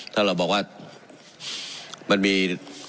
ถ้าเราบอกว่ามันมี